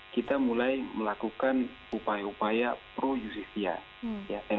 kita mulai melakukan upaya upaya pro justisia